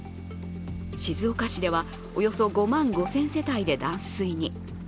静岡市ではおよそ５万５０００世帯で断水に。